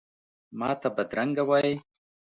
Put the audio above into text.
ماته بدرنګه وایې،